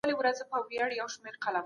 د مغولو تګلارو دولت ته استحکام ونه بخښه.